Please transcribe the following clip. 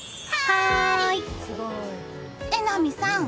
榎並さん